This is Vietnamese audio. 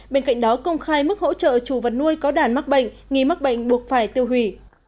bên cạnh đó công khai mức hỗ trợ chủ vật nuôi có đàn mắc bệnh nghi mắc bệnh buộc phải tiêu hủy